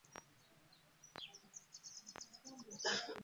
Ebika by'abaganda biri amakumi ataano mu mukaaga.